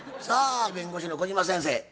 さあ弁護士の小島先生